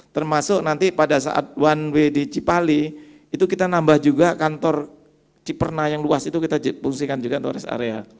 termasuk nanti pada saat one way di cipali itu kita nambah juga kantor ciperna yang luas itu kita fungsikan juga untuk rest area